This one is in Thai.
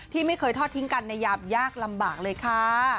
ที่ไม่เคยทอดทิ้งกันในยามยากลำบากเลยค่ะ